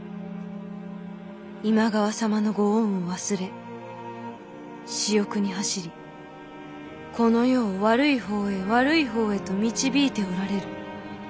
今川様のご恩を忘れ私欲に走りこの世を悪い方へ悪い方へと導いておられる。